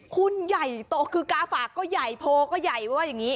คุณใหญ่โตคือกาฝากก็ใหญ่โพก็ใหญ่ว่าอย่างนี้